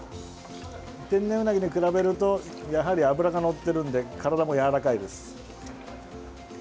天然うなぎに比べるとやはり脂がのっているので体もやわらかいです。